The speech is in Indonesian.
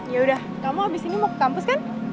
yaudah kamu abis ini mau ke kampus kan